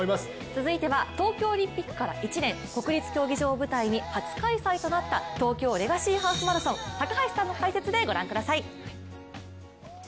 続いては東京オリンピックから１年、国立競技場を舞台に初開催となった東京レガシーハーフマラソン高橋さんの解説でご覧ください。